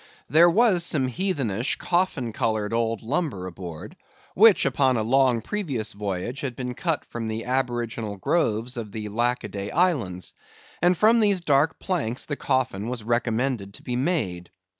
There was some heathenish, coffin coloured old lumber aboard, which, upon a long previous voyage, had been cut from the aboriginal groves of the Lackaday islands, and from these dark planks the coffin was recommended to be made.